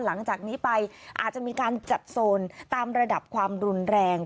หลังจากนี้ไปอาจจะมีการจัดโซนตามระดับความรุนแรง